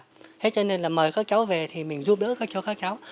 thế cho nên là mời các cháu về thì mình giúp đỡ các cháu